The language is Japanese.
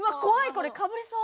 これかぶりそう。